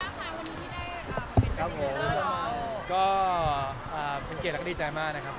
สวัสดีครับค่ะวันนี้ที่ได้เป็นเกรดแล้วก็ดีใจมากนะครับ